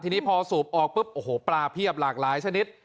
ทีนี้พอสูบออกปุ๊บโอ้โหปลาเพียบหลากหลายชนิด